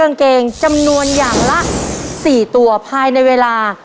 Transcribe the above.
ครอบครัวของแม่ปุ้ยจังหวัดสะแก้วนะครับ